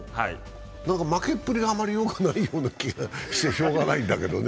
負けっぷりがあまりよくないような気がしてしょうがないんだけどね。